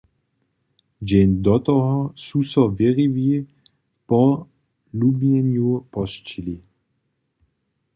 Dźeń do toho su so wěriwi po lubjenju posćili.